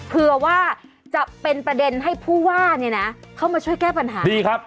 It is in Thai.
เผื่อว่าจะเป็นประเด็นให้ผู้ว่าเข้ามาช่วยแก้ปัญหา